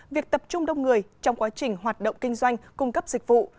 việc tập trung đông người trong quá trình hoạt động kinh doanh cung cấp dịch vụ